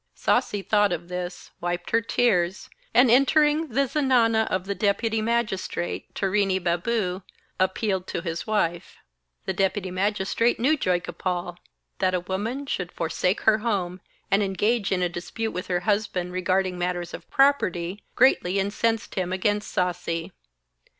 Sasi thought of this, wiped her tears, and, entering the Zenana of the Deputy Magistrate, Tarini Babu, appealed to his wife. The Deputy Magistrate knew Joygopal. That a woman should forsake her home, and engage in a dispute with her husband regarding matters of property, greatly incensed him against Sasi.